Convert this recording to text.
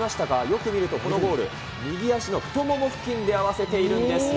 よく見るとこのゴール、右足の太もも付近で合わせているんです。